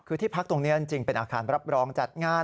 คือที่พักตรงนี้จริงเป็นอาคารรับรองจัดงาน